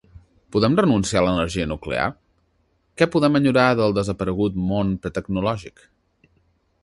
Podem renunciar a l’energia nuclear? Què podem enyorar del desaparegut món pretecnològic?